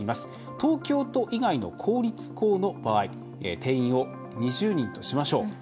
東京都以外の公立校の場合定員を２０人としましょう。